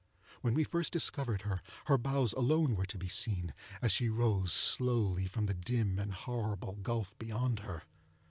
When we first discovered her, her bows were alone to be seen, as she rose slowly from the dim and horrible gulf beyond her.